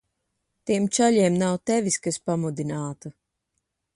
Tiem čaļiem nav tevis, kas pamudinātu.